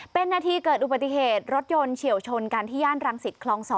เป็นนาทีเกิดอุบัติเหตุรถยนต์เฉียวชนกันที่ย่านรังสิตคลอง๒